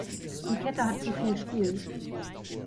Die Kette hat zu viel Spiel.